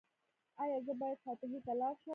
ایا زه باید فاتحې ته لاړ شم؟